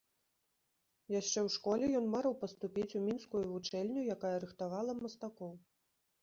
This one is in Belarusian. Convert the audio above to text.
Яшчэ ў школе ён марыў паступіць у мінскую вучэльню, якая рыхтавала мастакоў.